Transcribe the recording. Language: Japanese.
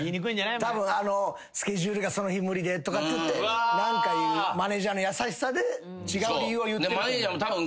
たぶん「スケジュールがその日無理で」とかって言ってマネージャーの優しさで違う理由を言ってる。